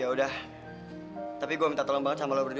ya udah tapi gue minta tolong banget sama lo berdua ya